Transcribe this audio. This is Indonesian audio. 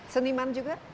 seni man juga